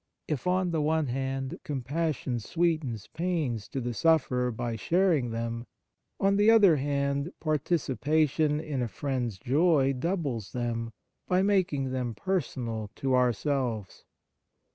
If, on the one hand, com passion sweetens pains to the sufferer by sharing them, on the other hand partici pation in a friend s joys doubles them by making them personal to ourselves.